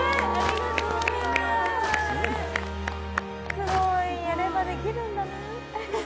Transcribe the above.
すごいやればできるんだね